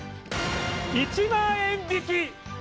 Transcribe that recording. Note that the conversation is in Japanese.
１万円引き！